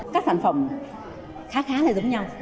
các sản phẩm khá khá là giống nhau